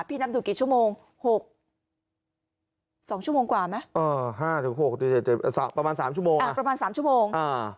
พี่น้ำถูกกี่ชั่วโมง๖ชั่วโมงกว่าไหม๕๖ประมาณ๓ชั่วโมง